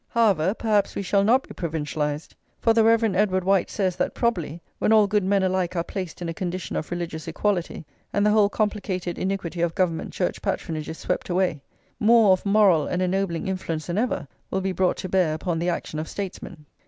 However, perhaps we shall not be provincialised. For the Rev. Edward White says that probably, "when all good men alike are placed in a condition of religious equality, and the whole complicated iniquity of Government Church patronage is swept away, more of moral and ennobling influence than ever will be brought to bear upon the action of statesmen."